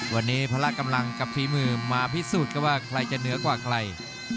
วันนี้พละกำลังกับฝีมือมาพิสูจน์ครับว่าใครจะเหนือกว่าใคร